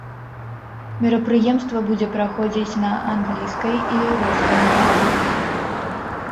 Мерапрыемства будзе праходзіць на англійскай і рускай мовах.